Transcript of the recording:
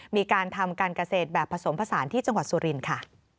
มีการทำการเกษตรแบบผสมผสานที่จังหวัดสุรินทร์ค่ะ